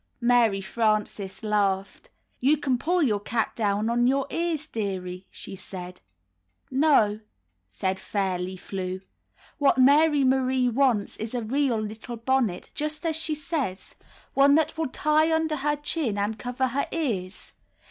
Mary Frances laughed. "You can pull your cap down on your ears, dearie," she said. "No," said Fairly Flew, "what ^lary Marie wants is a real little bonnet, just as she says — one that will tie under her chin and cover her ears.